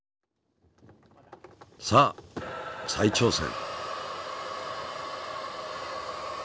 さあ再挑戦。